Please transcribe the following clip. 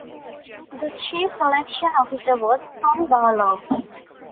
The Chief Election Officer was Tom Barlow.